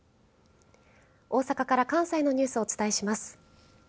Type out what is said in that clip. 大阪から関西のニュースをお伝えします。